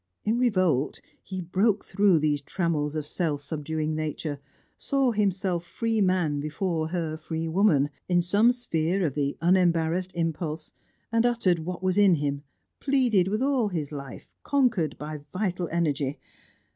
In revolt, he broke through these trammels of self subduing nature, saw himself free man before her free woman, in some sphere of the unembarrassed impulse, and uttered what was in him, pleaded with all his life, conquered by vital energy.